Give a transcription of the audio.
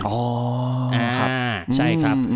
อ๋อนะครับใช่ครับ